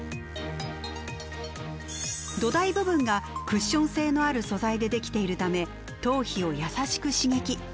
土台部分がクッション性のある素材で出来ているため頭皮を優しく刺激。